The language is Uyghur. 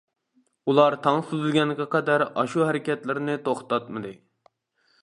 ئۇلار تاڭ سۈزۈلگەنگە قەدەر ئاشۇ ھەرىكەتلىرىنى توختاتمىدى.